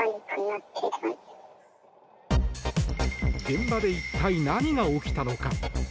現場で一体何が起きたのか？